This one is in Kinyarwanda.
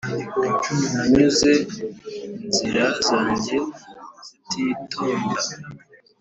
nanyuze inzira zanjye zititonda,